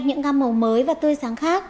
những gam màu mới và tươi sáng khác